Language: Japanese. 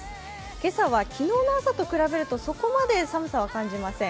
今朝は昨日の朝と比べると、そこまで寒さは感じません。